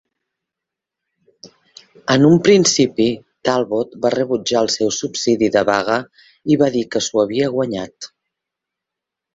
En un principi, Talbot va rebutjar el seu subsidi de vaga i va dir que s'ho havia guanyat.